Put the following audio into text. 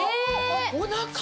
おなかが。